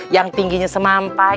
yang tingginya semam pak